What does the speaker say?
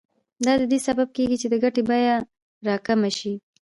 دا د دې سبب کېږي چې د ګټې بیه راکمه شي